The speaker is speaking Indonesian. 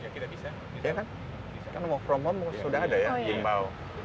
kan work from home sudah ada ya himbau